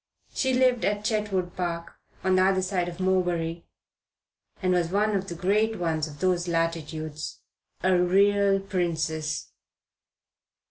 She lived at Chetwood Park, on the other side of Morebury, and was one of the great ones of those latitudes. A real princess.